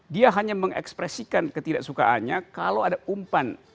dia hanya mengekspresikan ketidaksukaannya kalau ada umpan